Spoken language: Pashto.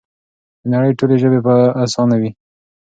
د نړۍ ټولې ژبې به اسانې وي؛